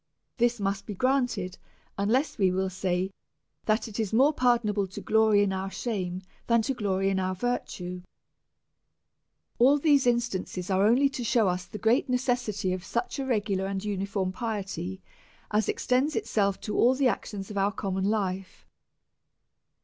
This must be granted, unless we will say that it is more pardonable to glory in our shame, than to glory in our virtue. All these instances are only to shew us the great ne cessity of such a regular and uniform piety as extends itself to all the actions of our common life.